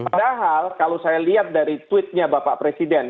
padahal kalau saya lihat dari tweetnya bapak presiden